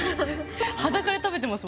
裸で食べてます